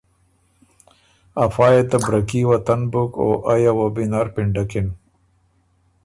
افا يې ته برکي وطن بُک او ائ یه وه بُو وینر پِنډکِن۔